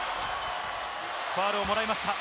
ファウルをもらいました。